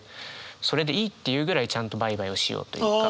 それでいいっていうぐらいちゃんとバイバイをしようというか。